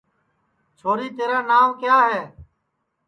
چھوری تیرا ناو کیا ہے